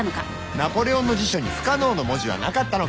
ナポレオンの辞書に不可能の文字はなかったのか。